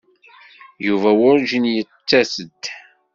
Yuba werǧin yettas-d.